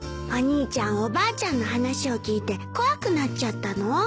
お兄ちゃんおばあちゃんの話を聞いて怖くなっちゃったの？